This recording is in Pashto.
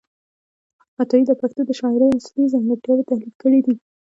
عطايي د پښتو د شاعرۍ اصلي ځانګړتیاوې تحلیل کړې دي.